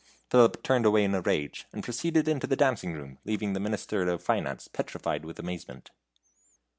Philip turned away in a rage, and proceeded into the dancing room, leaving the Minister of Finance petrified with amazement.